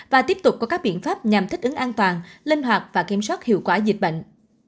và tiếp tục có các biện pháp nhằm thích ứng an toàn linh hoạt và kiểm soát hiệu quả dịch bệnh